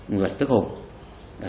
nguyễn tức hùng